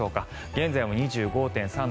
現在も２５．３度